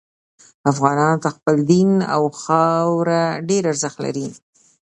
افغانانو ته خپل دین او خاوره ډیر ارزښت لري